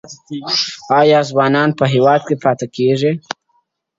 قاسم یار بایللی هوښ زاهد تسبې دي,